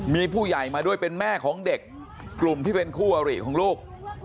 มีผู้ใหญ่มาด้วยเป็นแม่ของเด็กกลุ่มที่เป็นคู่อริของลูก